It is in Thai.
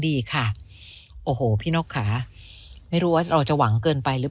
ดีค่ะโอ้โหพี่นกค่ะไม่รู้ว่าเราจะหวังเกินไปหรือ